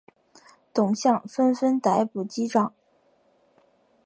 董相纷纷逮捕击杖。